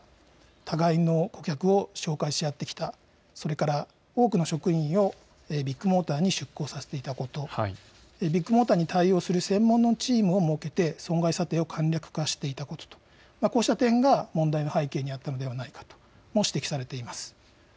互いの顧客を紹介し合ってきた、それから多くの職員をビッグモーターに出向させていたこと、ビッグモーターに対応する専門のチームを設けて損害査定を簡略化していたこと、こうした点が問題の背景にあったのではないかとも指摘されています。